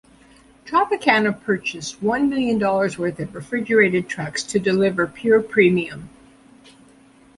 Tropicana purchased one million dollars worth of refrigerated trucks to deliver Pure Premium.